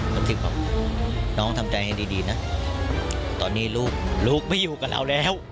รู้สึกบอกน้องทำใจให้ดีนะตอนนี้ลูกลูกไม่อยู่กับเราแล้ว